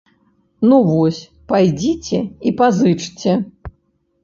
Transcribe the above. Ну вось, пайдзіце і пазычце.